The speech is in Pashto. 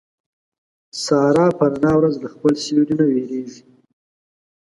ساره په رڼا ورځ له خپل سیوري نه وېرېږي.